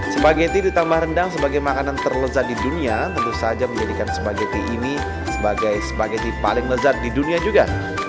spaghetti ditambah rendang sebagai makanan terlezat di dunia tentu saja menjadikan spaghetti ini sebagai spaghetti paling lezat di dunia juga